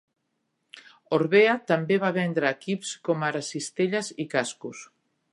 Orbea també va vendre equips com ara cistelles i cascos.